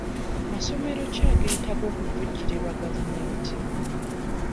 Masomero ki ageetaaga okuvujjirirwa gavumenti?